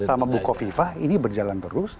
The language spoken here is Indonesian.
sama bukovifah ini berjalan terus